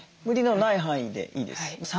無理のない範囲でいいです。